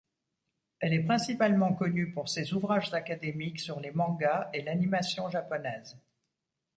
Elle est principalement connue pour ses ouvrages académiques sur les mangas et l’animation japonaise.